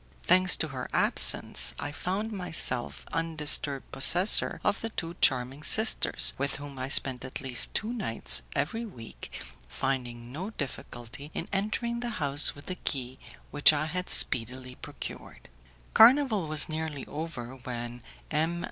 Thanks to her absence, I found myself undisturbed possessor of the two charming sisters, with whom I spent at least two nights every week, finding no difficulty in entering the house with the key which I had speedily procured. Carnival was nearly over, when M.